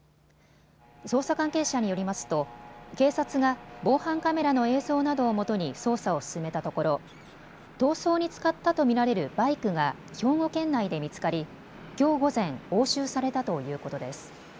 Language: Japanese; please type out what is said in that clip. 捜査関係者によりますと警察が防犯カメラの映像などをもとに捜査を進めたところ逃走に使ったと見られるバイクが兵庫県内で見つかりきょう午前、押収されたということです。